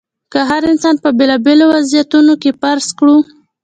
که هر انسان په بېلابېلو وضعیتونو کې فرض کړو.